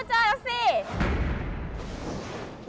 เอ้ามันก็เจอแล้วสิ